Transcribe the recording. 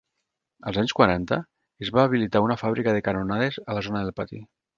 Als anys quaranta, es va habilitar una fàbrica de canonades a la zona del pati.